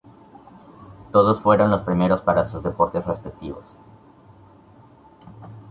Todos fueron los primeros para sus deportes respectivos.